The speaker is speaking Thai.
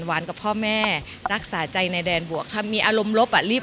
หวานกับพ่อแม่รักษาใจในแดนบวกค่ะมีอารมณ์ลบอ่ะรีบ